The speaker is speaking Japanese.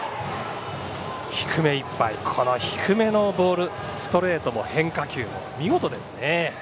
低めのボールストレートも変化球も見事ですね。